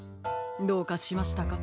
どうかしましたか？